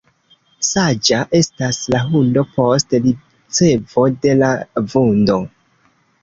Saĝa estas la hundo post ricevo de la vundo.